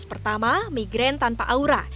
pertama migraine tanpa aura